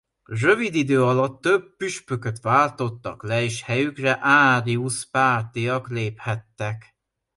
Rövid idő alatt több püspököt váltottak le és helyükre Árius-pártiak léphettek.